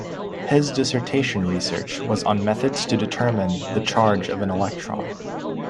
His dissertation research was on methods to determine the charge of an electron.